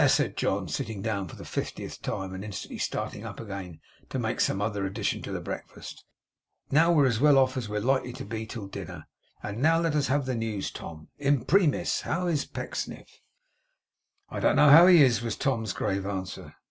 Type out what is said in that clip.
said John, sitting down for the fiftieth time, and instantly starting up again to make some other addition to the breakfast. 'Now we are as well off as we are likely to be till dinner. And now let us have the news, Tom. Imprimis, how's Pecksniff?' 'I don't know how he is,' was Tom's grave answer.